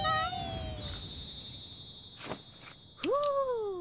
ふう。